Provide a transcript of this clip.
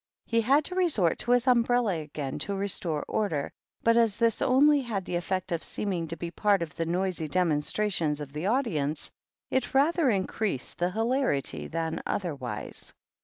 He had to resort to his umbrella again to restore order, but as this only had the effect of seeming to be part of the noisy demonstrations of the audience, it rather increased the hilarity than otherwise.